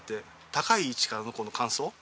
高い位置からのこの感想。